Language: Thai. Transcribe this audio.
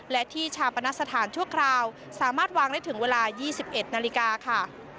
และที่ชาปนสถานชั่วคราวสามารถวางได้ถึงเวลา๒๑นาฬิกาค่ะ